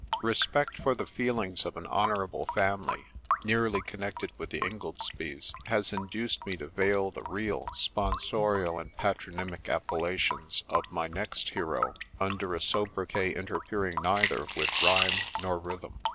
Respect for the feelings of an honourable family, — nearly connected with the Ingoldsbys, — has induced me to veil the real ' sponsorial and patronymic appellations ' of my next hero under a sobriquet interfering neither with rhyme nor rhythm